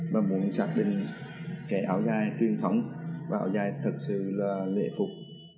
và muốn xác định kẻ áo dài truyền thống và áo dài thật sự lệ phục